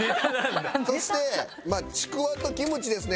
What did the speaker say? そしてちくわとキムチですね